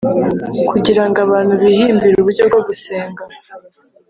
kugira ngo abantu bihimbire uburyo bwo gusenga